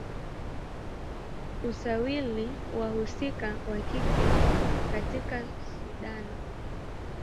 Usawiri wa wahusika wa kike katika Sudana